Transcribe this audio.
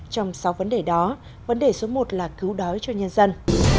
trong sáu vấn đề đó vấn đề số một là cứu đói cho nhân dân